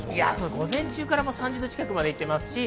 午前中から３０度近く行ってます。